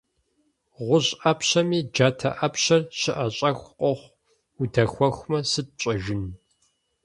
ГъущӀ Ӏэпщэми джатэ Ӏэпщэр щыӀэщӀэху къохъу: удэхуэхмэ, сыт пщӀэжын?